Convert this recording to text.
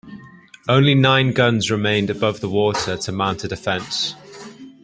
Only nine guns remained above the water to mount a defense.